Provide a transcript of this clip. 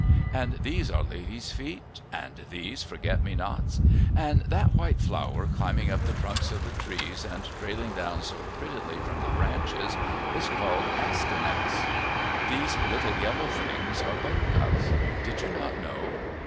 And these are ladies' feet, and these forget me nots. And that white flower, climbing up the trunks of the trees and trailing down so prettily from the branches, is called Astyanax. These little yellow things are buttercups. Did you not know?"